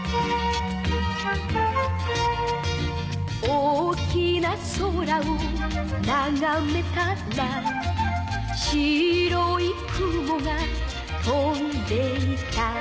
「大きな空をながめたら」「白い雲が飛んでいた」